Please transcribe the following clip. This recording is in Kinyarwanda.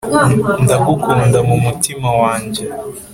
ndagukunda mu mutima wanjye